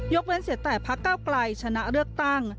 เว้นเสียแต่พักเก้าไกลชนะเลือกตั้ง